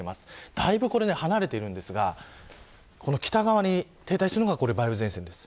だいぶ離れているんですが北側に停滞するのが梅雨前線です。